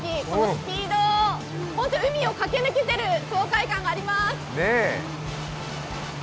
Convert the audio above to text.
スピード、本当に海を駆け抜けている爽快感があります。